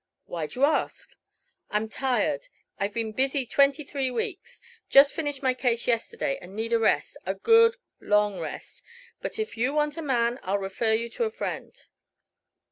"Why do you ask?" "I'm tired. I've been busy twenty three weeks. Just finished my case yesterday and need a rest a good long rest. But if you want a man I'll refer you to a friend."